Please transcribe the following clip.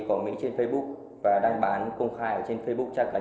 cỏ mỹ trên facebook và đăng bán công khai trên facebook trang cá nhân